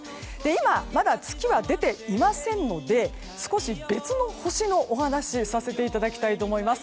今、まだ月は出ていませんので少し別の星のお話をさせていただきたいと思います。